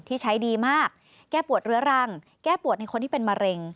ที่ใช้ดีมากแก้ปวดเรื้อรังแก้ปวดในคนที่เป็นมะเร็ง